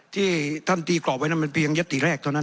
ที่ท่านตีกรอบไว้นั่นมันเพียงยติแรกเท่านั้น